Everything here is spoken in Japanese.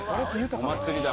お祭りだ